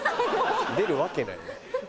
出るわけない。